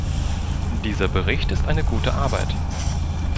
Dieser Bericht ist eine gute Arbeit.